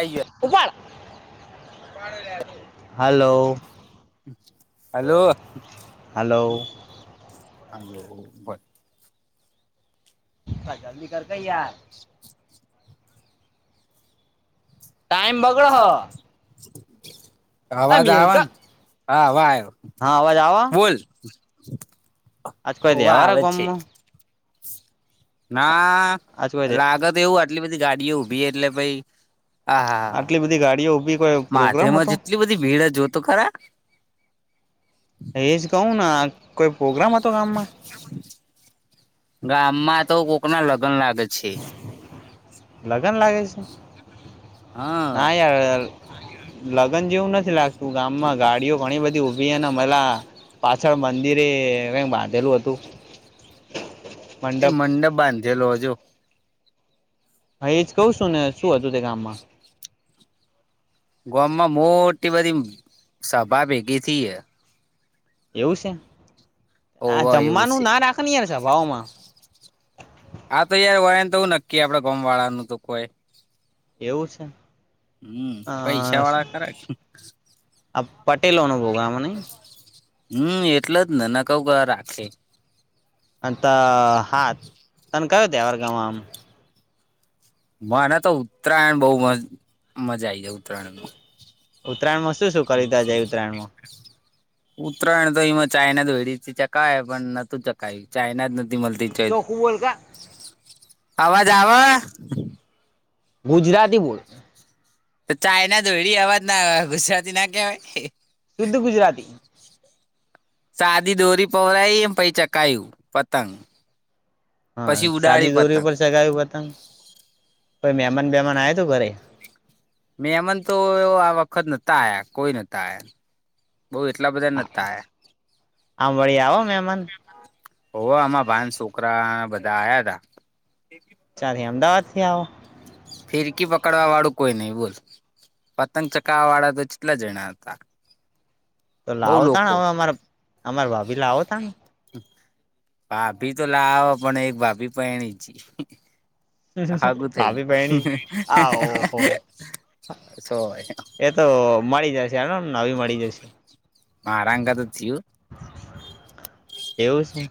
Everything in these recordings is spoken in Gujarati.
આઈ ઉપર હલો. હાલો. હલો. હા જો બર. હા જાલદી કર. કે યાર [inaudible] ટાઈમ બગડો હ આ અવાજ આવ હા મેલકા હવા આવ્યો હા અવાજ આવ લ કોઈ ઓવા દેવારા આવે છે. ગોમમાં ના આજ કોઈ દે લાગત એવું આટલી બધી ગાડીઓ ઉભી એટલે પાઈ હા હા આટલી બધી ગાડીઓ ઉભી કોઈ હા પ્રોગ્રામ માથેમાં હતો જેટલી બધી ભીડ જોતો ખરા એજ કહું ને કોઈ પ્રોગ્રામ હતો ગામમા ગામ માં તો કોક ના લગ્ન લાગે છે. લગન લાગે છે, હા ના યાર લગ્ન જેવું નથી લાગતું ગામમાં ગાડીઓ ઘણી બધી ઉઊભીને મલા પાછળ મંદિરે કઈ બાંધેલું હતુ. એ મંડપ બાંધેલો હજુ હા એજ કઉ છુ, ને શું હતુ તે ગામમા ગોમમાં મોટી બધી સભા ભેગી થ હ એવું છે હોવ આ એવું છે જમવાનું ના રાખની એ છેભાવમા આ તો યાર હોય, ને તો એવું નક્કી આપડે ગમ વાળા નનુ તો કોઈ એવું છે. હમ પૈસા વાળા કરે અ પટેલો ન ભોગમાંને હમ એટલે જ ને ના કઉ ક રાખે તો હા તને કયો ત અરગામાં આમ મને તો ઉત્તરાયણ બહ મજા આ આવી જાય ઉત્તરાયણ ઉત્તરાયણમા હમ ઉત્તરાયણ તો એમાં ચાાયના દેડીથી ચકા પણ નતુ ચ કઈ ચાાઈના જ નથીતી મને તે ચોખ્ખું બોલ કા આવાજ હવા ગુજરાતી બોર્ડ તો ચાયના દોડી અવાજ ના ગુજરાતી ના કવાય ને શુદ્ધ ગુજરાતી સાદી દોરી પહરાઈ એમ પછ ચકાયું પતંગ હા પછી ઉડાડી સાદી દોરી પતંગ ઉપર ચગાવું પતંગ કોઈ મહેમાન બેમાન આ તુ ઘરે મેમન તો આ વખત નહતા આ્યા કોઈ નહતા આયા બઉ એટલા બધા નતા આમ વળી આવો મહેમાન ઓ આમાં ભાન છોકરા બધા આયા હતા. ચા અમદાવાદ થી આવો ફિરકી પકડવા વાળું કોઈ નહી બોલ પતંગ ચકાવા વાળા તો જેટલા જણા હતા. તો બઉ લાવો તા લોકો હવે અમારે અમાર ભાભી લાવો તા ને ભાભી તો લાવ પણ એક ભાભી પણણી ભાવી ભણી આહ હો સોય એતો મળી જશે એ મળી જશે. આરામ કરત થયુ. એવું છે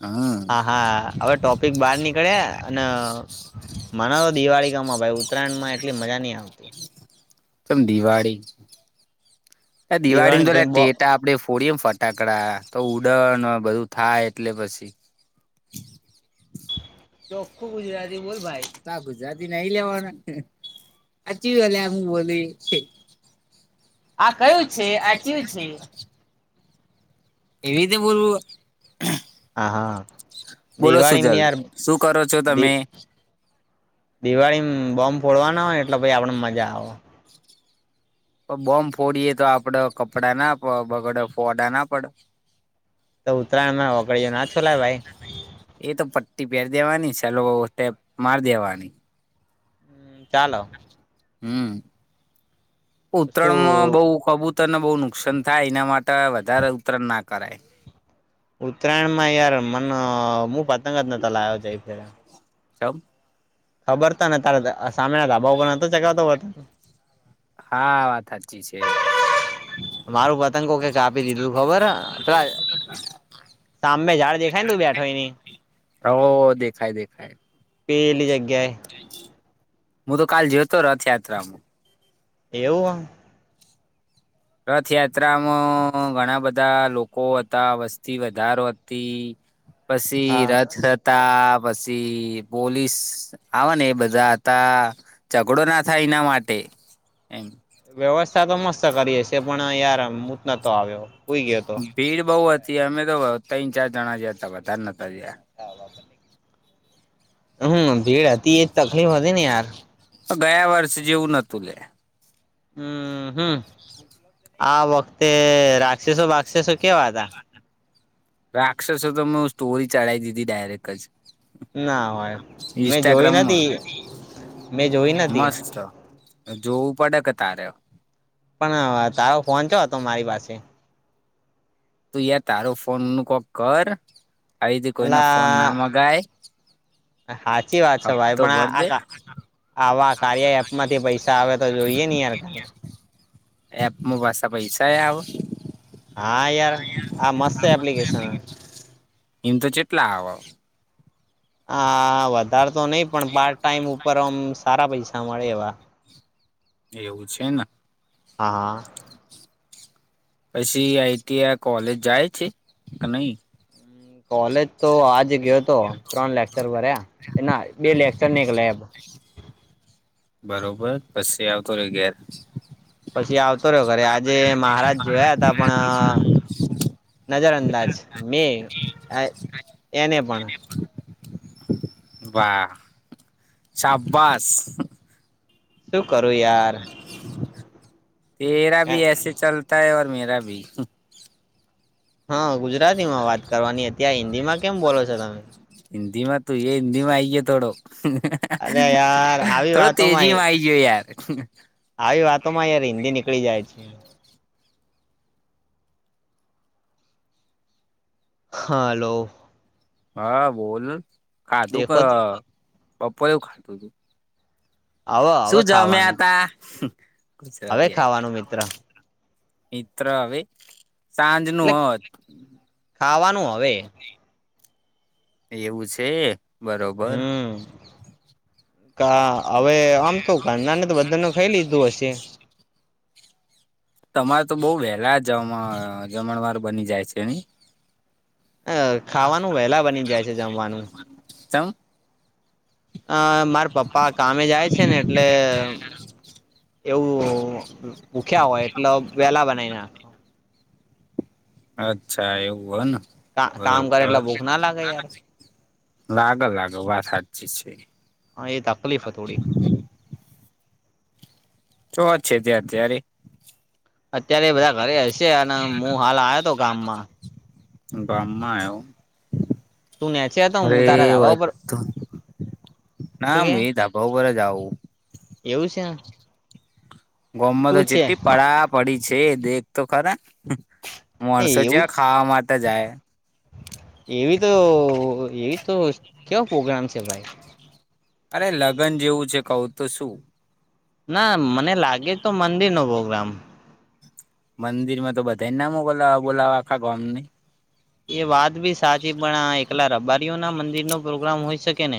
હમ હા હા હવે ટોપિક બાર નીકળે અને મના તો દિવાળી ગામમાં ભ ઉત્તરાયણ માં એટલી મજા નહી, આવે કેમ દિવાળી દિવાળી તો લે ભ બ ટેટા આપડે ફોડિયા ન ફટાકડા તો ઉડન બધું થાય એટલે પછી. [unintelligible] ગુજરાતી નઈ લેવાનુ આ કયું છે, આ છે. એવી રીતે બોલવું હા બોલો દિવાળીમાં સુજલ યાર શું કરો છો તમે? દિવાળી બૉમ્બ ફોડવાના હોય એટલે પહિ આપડે ને મજા આવે. તો બોમ્બ ફોડીએે તો આપડે કપડાં ના બગડે ફોડા ના પડ. તો ઉત્તરાયણ માં ઓગળયો ના છોલાય. ઈ તો પટ્ટી પેર દેવાની છે સેલોટેપ માર દેવાની. ભાઈ ચાલો. હમ શું ઉતરાયણમાં બહ કબૂત તર ન બહુ નુકસાન થાય એના માટે વધારે ઉત્તરાયણ ના કરાય. ઉત્તરાયણ માં યાર મન હું પતંગ જ ન લાયો જાય. [inaudible] ખબર તા ને તારે સામેના ધાબા પણ નતો ચગાવતો. હા વાત હાચી છે. મારું પતંગો કોક એ કાપી દીધું ખબર પેલા સામે ઝાડ દેખાયને તું બેઠો યા ની હો દેખાય દેખાય પેલી જગ્યાએ હું તો કાલ જયો તો રથયાત્રામાં એવું હ રથયાત્રામાં ઘણા બધા લોકો તા વસ્તી વધારો હતી. [inaudible] પસી હા રથ તા પસી પોલીસ આવ ને એ બધા હતા. ઝઘડો ના થાય એના માટે એમ વ્યવસ્થા તો મસ્ત કરીએ છે પણ યાર હું જ નતો આવ્યો હુંઈ ગયો તો. ભીડ બહુ હતી અમે તો ત્રણ ચાર જણા ગયા હતા વધારે નતા ગયા. [inaudible] હમ ભીડ હતી એ જ તકલીફ હતી ને યાર. અ ગયા વર્ષે જેવું નતું લયા. હમ હમ આ વખતે રાક્ષસો બાક્ષસો રાક્ષસો તો મે સ્ટોરી ચડાઈ દીધી ડાયરેક્ટ જ ના હોય મેં જોઈ ઇન્સ્ટાગ્રામમાં નતી મેં જોઈ નતી. મસ્ત જોવું પડે ક તારે પણ તારો ફોનચ્યો હતો મારી પાસે તું યા તારો ફોન નું કોક કર આવી તે કોઈના ફોન ના મગાય. હાચી વાત છે ભાઈ હપ્તો પણ ભર આ દે આ આવા કાર્ય એપ માંથી પૈસા આવે તો જોઈએ ને યાર એપ માં પાશા પૈસા એ આવે. હા યાર આ મસ્ત એપ્લિકેશન ઈ તો જેટલા આવ. હા વધારે તો નહી પણ પાર્ટ ટાઈમ ઉપર આમ સારા પૈસા મળે એમ. એવું છે ને. હા હા પછી આઈટી આ કોલેજ જાય છે અને કોલેજ તો આજ ગયો હતો ત્રણ લેક્ચર ભર્યા ના બે લેક્ચર ની એક લેબ બરોબર પછી આવતો રે ઘેર. પછી આવતો રહ્યો ઘરે આજે મહારાજ જોયા હતા પણ નજર અંદાજ મે એને પણ વાહ શાબાસ શું કરું યાર. તેરા ભી એસે ચલતા હે ઓર મેરા ભી હા ગુજરાતી માં વાત કરવાની હતી ત્યાં હિન્દી માં કેમ બોલો છો તમે હિન્દી માં તું એ હિન્દી માં આઈયે થોડોક અરે યાર આવી થોડો વાતોમાં તેજી માં કેવી યાર આવી વાતો માં યાર હિન્દી નીકળી જાય છે. હા હલો. હા બોલ ખાધું ક દેખો બપોરે હું ખાધું તું હવે શું હવે જમ્યા ખાવાનું હતા હમ્મ હવે ગુજરાતી ખાવાનું મિત્ર [unintelligible] મિત્ર હવે સાંજ નો એટલે હ ખાવાનું હવે [unintelligible] એવું છે બરોબર કા હવે આમ તો ઘરના એ ને તો બધાને ખાઈ લીધું હશે તમારે તો બઉ વહેલા જમણ જમણવાર બની જાય છે અ ખાવાનું વહેલા બની જાય છે જમવાનું ચમ અ મારા પપ્પા કામે જાય છે ને એટલે એવું ભૂખ્યા હોય એટલે વેલા બનાવી નાખ અચ્છા એવું હોય કામ ન કરે એટલે બરોબર ભૂખ ના લાગે યાર [inaudible] લાગ લાગ વાત સાચી છે. હા એ તકલીફ થોડીક જો વાત છે તાર તય્યારે અત્યારે બધા ઘરે હશે અને હું હાલ આયો હતો ગામમાં ગામમાં આયો? તું નેચે હતો [inaudible] અરે હું તારા ધાબા વાત ઉપર તો ના શું કે હું એ ધાબા પર જ આઉ એવું છે. ગોમમાં શું તો છે ચેટલી પડા પડી છે દેખ તો ખરા હમ્મ. એ માણસો એવું ચેવા ખાવા માટે જાય. એવી તો એવી તો કેવો પ્રોગ્રામ છે ભાઈ અરે લગ્ન જેવું છે કઉ તો શું ના મને લાગે તો મંદિર નો પોગ્રામ મંદિર માં તો બધા નામો બોલા બોલાવ આખા ગોમ ની એ વાત બી સાચી પણ એકલા રબારીઓ ના મંદિર નો પ્રોગ્રામ હોય શકે ને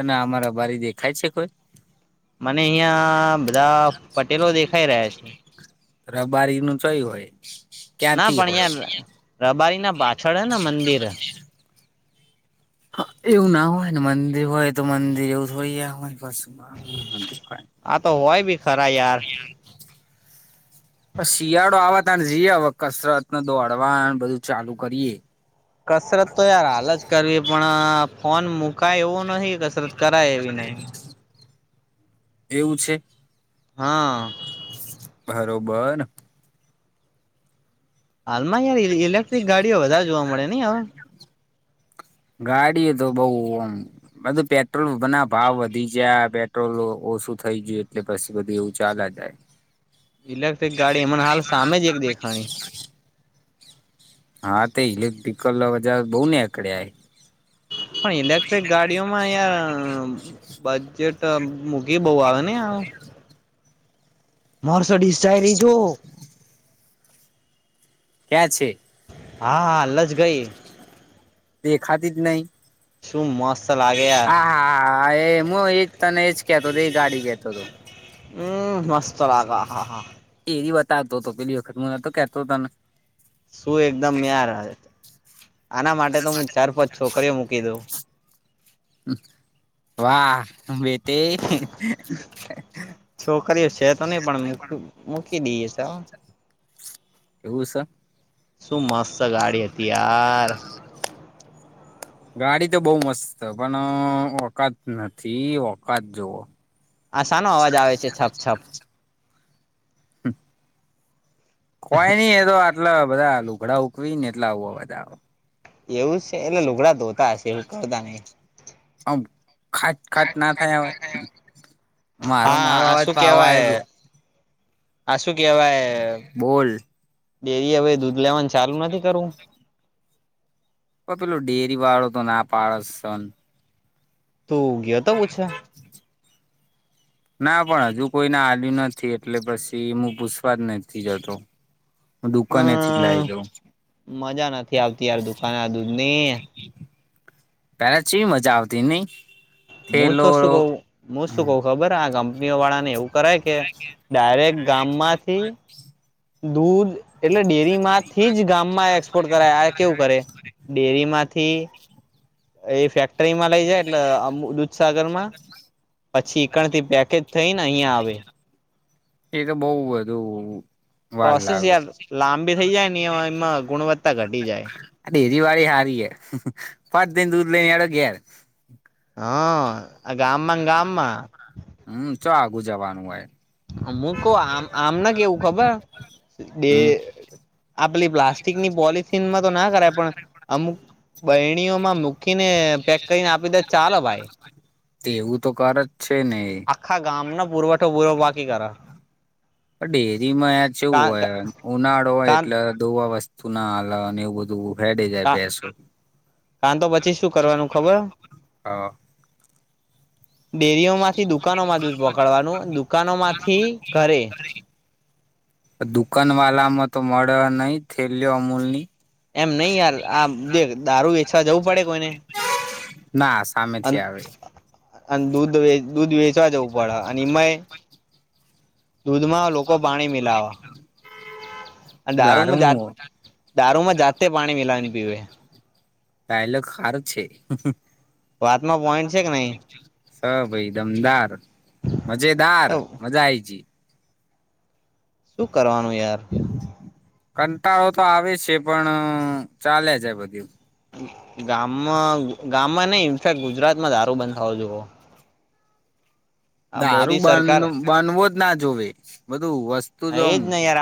અને અમા રબારી દેખાય છે કોઈ મને અહિયાં બધા પટેલો દેખાઈ રહ્યા છે. રબારી નું ચય હોય ના ક્યાંથી પણ હોય અહીંયા રબારી ના પાછળ હે ને મંદિર હ એવું ના હોય ને મંદિર હોય તો મંદિર એવું થોડી આવ પછી આ તો હોય ભી ખરા યાર હમ્મ. શિયાળો આવ ત્યારે જીએ હવે કસરત ને દોડવા બધું ચાલુ કરીએ. કસરત તો યાર હાલ જ કરવી પણ ફોન મુકાય એવું નહિ. [unintelligible] એવું છે. હા. [inaudible] બરોબર. હાલમાં યાર ઇલેક્ટ્રિક ગાડીઓ વધારે જોવા મળે નહી હવે ગાડી તો બઉ આમ બધું પેટ્રોલ ના ભાવ વધી જયા પેટ્રોલ ઓછું થઈ ગયું એટલે પછી બધું એવું ચાલયા જાય. ઇલેક્ટ્રિક ગાડી એમને હાલ સામે જ એક દેખાણી હા તે ઇલેક્ટ્રિકલ ઓજાર બહુ નેકળ્યા હ પણ ઇલેક્ટ્રિક ગાડીઓમાં અહીંયા બજેટ મોંઘી બહુ આવે નહિ આ મર્સીડીઝ જાય રી જો કયાં છે? હા હાલજ ગઈ. તે દેખાતી જ નહી. શું મસ્ત? લાગે યાર હા હા એ હું એજ તને એજ કેતો હતો એ ગાડી કેતો હતો. હમ મસ્ત લાગે હા હા એવી વાત આવતો હતો પેલી વખત હું નોતો કેતો હતો તને શું એકદમ [unintelligible] આના માટે તો હું ચાર પાંચ છોકરીઓ મૂકી દઉં. વાહ બેટે છોકરીઓ છે તો નહી પણ મૂકી દઈએ ચાલોને. એવું છે. શું મસ્ત ગાડી હતી યાર, ગાડી તો બહુ મસ્ત છે પણ ઓકાત નથી ઓકાત જોવો. આ શાનો અવાજ આવે છે છપ છપ? કોઈ નઈ એ તો આટલા બધા લુગડાં સુકવી ને એટલા આવો અવાજ આવે. એવું છે એટલે લુગડા ધોતા હશે હુકવતા નહી. આમ ખાચ ખાચ ના થાય હવે મારો હા મારો અવાજ તો આવે છે. હ શું કેવાય બોલ ડેરી એ હવે દૂધ લેવાનું ચાલુ નથી કરવું? તો પેલો ડેરી વાળો તો ના પાડે છે ને. તું ગયો હતો પુછવા? [inaudible] ના પણ હજુ કોઈને આલયુ નથી એટલે પછી હું પૂછવા જ નથી જતો. હું દુકાનેથી જ લઈ હમ લઉં. મજા નથી આવતી યાર દુકાને આ દૂધની પેલા ચેવી મજા આવતી નઈ? હું તો થેલો શું કવ હું શું કવ ખબર આ કંપનીઓ વાળા ને એવું કરાય કે ડાયરેક્ટ ગામમાંથી દૂધ એટલે ડેરીમાંથી જ ગામમાં એક્સપોર્ટ કરાય આ કેવું કરે ડેરીમાંથી એ ફેક્ટરી માં લઈ જાય એટલે દૂધસાગર માં પછી ઈકણ થી પેકેટ થઈ ને અહિયાં આવે. એ તો બઉ બધું. વાર પ્રોસેસ લાગે યાર લાંબી થઇ જાય ને એમાં ગુણવત્તા ઘટી જાય. ડેરી વાળી હારી એ પટ દઈને દૂધ લઈને હાલો ઘેર. હમ આ ગામમાં ને ગામમાં. હમ ચો આગું જવાનું હો હું શું કવ આમને કેવું ખબર બે હમ આ પેલી પ્લાસ્ટિકની પોલિથનમાં તો ના કરાય પણ અમુક બયણીઓમાં મૂકીને પેક કરીને આપી દે તો ચાલે ભાઈ. તે એવું તો કરે જ છે ને, આખા ગામ ના પુરવઠો બુરવ બાકી કર. ડેરી માં કેવું હોય ઉનાળો હોય એટલે દોવા વસ્તુ ના અલા ને એવું બધું હેડી જાય બેસો કાન તો પછી શું કરવાનું ખબર ડેરીઓ માંથી દુકાનો માં દૂધ પોકાડવાનું અને દુકાનોમાંથી ઘરે દુકાન વાળામાં તો મળે નહી થેલીઓ અમૂલની. એમ નહી યાર આ દેખ દારૂ વેચવા જવું પડે કોઈને ના સામે થી આવે- - અને દૂધ વેચવા જવું પડે અને એમાંય- - દૂધમાં લોકો પાણી મિલાવા- - દારૂમાં જાતે દારૂ દારૂમાં જાતે પાણી મિલાવી ને પીવે- - ડાયલોગ હારો છે. વાતમાં પોઈન્ટ છે કે નહી? હ ભાઈ દમદાર મજેદાર મજા આય છે. શું કરવાનું યાર કંટાળો તો આવે છે, પણ ચાલેયા જ બધુ ગામમાં ગામમાં નઈ ઇન્ફેક્ટ ગુજરાત માં દારું બંધ થો જોઈએ. મોદી દારું બ સરકાર બનવો જ ના જોવે બધું વસ્તુ એ જોમ જ ને યાર